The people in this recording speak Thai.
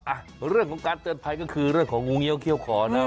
อ่ะเรื่องของการเตือนภัยก็คือเรื่องของงูเงี้ยเขี้ยขอนะ